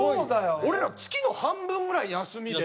俺ら月の半分ぐらい休みで。